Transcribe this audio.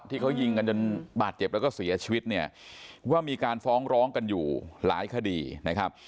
ที่เขายิงกันจนบาดเจ็บแล้วก็เสียชีวิตเนี่ยว่ามีการฟ้องร้องกันอยู่หลายคดีนะครับ